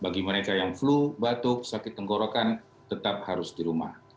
bagi mereka yang flu batuk sakit tenggorokan tetap harus di rumah